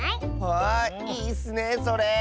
わいいッスねそれ。